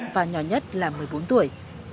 và nhỏ nhất là một mươi bốn tuổi